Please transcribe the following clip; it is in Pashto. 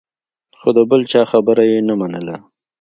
خو د بل چا خبره یې نه منله.